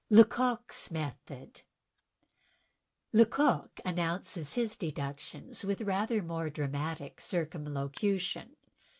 Leco(fs Method Lecoq announces his deductions with rather more dramatic circumlocution.